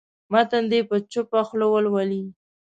متن دې په چوپه خوله ولولي.